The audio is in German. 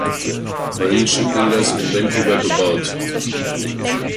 Marine Shipbuilders in Vancouver gebaut.